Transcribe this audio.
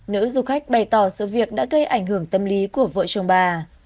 nữ du khách bày tỏ sự việc đã gây ảnh hưởng tâm lý của vợ chồng bà